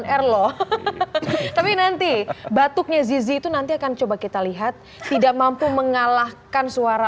air loh tapi nanti batuknya zizi itu nanti akan coba kita lihat tidak mampu mengalahkan suara